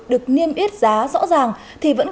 được niêm yết giá rõ ràng thì vẫn